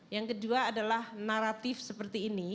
yang kedua adalah naratif seperti ini